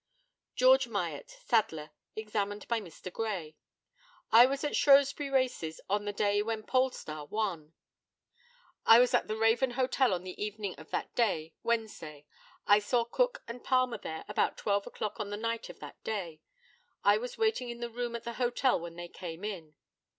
GEORGE MYATT, saddler, examined by Mr. GRAY: I was at Shrewsbury races on the day when Polestar won. I was at the Raven Hotel on the evening of that day, Wednesday. I saw Cook and Palmer there about twelve o'clock on the night of that day. I was waiting in the room at the hotel when they came in.